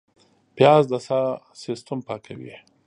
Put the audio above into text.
پیاز د ساه سیستم پاکوي